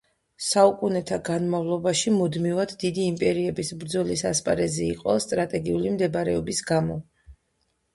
საუკუნეთა განმავლობაში მუდმივად დიდი იმპერიების ბრძოლის ასპარეზი იყო სტრატეგიული მდებარეობის გამო